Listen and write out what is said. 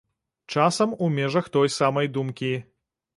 Часам у межах той самай думкі.